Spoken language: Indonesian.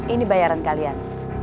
ini bayaran kalian